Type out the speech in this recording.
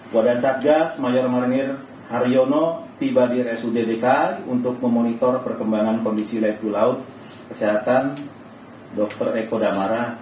wadah satgas mayor marengir haryono tiba di resudede kai untuk memonitor perkembangan kondisi letu laut kesehatan dr eko damara